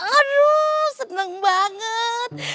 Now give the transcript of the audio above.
aduh seneng banget